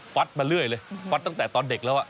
มาเรื่อยเลยฟัดตั้งแต่ตอนเด็กแล้ว